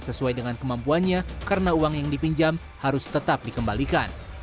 sesuai dengan kemampuannya karena uang yang dipinjam harus tetap dikembalikan